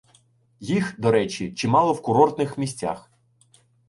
Їх, до речі, чимало в курортних місцях